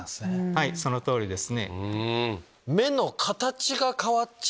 はいその通りですね。